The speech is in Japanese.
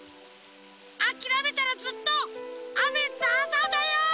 あきらめたらずっとあめザザだよ！